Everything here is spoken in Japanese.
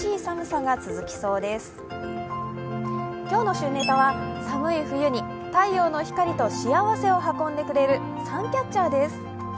今日の旬ネタは寒い冬に太陽の光と幸せを運んでくれるサンキャッチャーです。